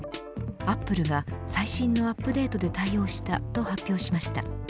アップルが最新のアップデートで対応したと発表しました。